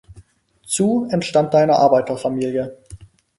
Zhou entstammt einer Arbeiterfamilie.